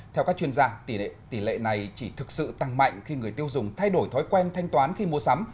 theo các chuyên gia tỷ lệ này chỉ thực sự tăng mạnh khi người tiêu dùng thay đổi thói quen thanh toán khi mua sắm